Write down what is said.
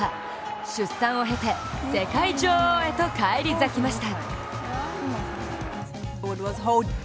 出産を経て世界女王へと返り咲きました。